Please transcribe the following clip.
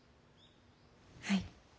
はい。